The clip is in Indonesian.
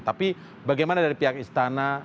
tapi bagaimana dari pihak istana